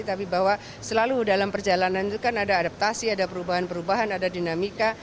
tapi bahwa selalu dalam perjalanan itu kan ada adaptasi ada perubahan perubahan ada dinamika